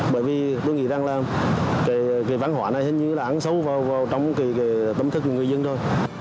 bởi vì tôi nghĩ rằng là cái văn hóa này hình như là ăn xấu vào trong cái tâm thức người dân thôi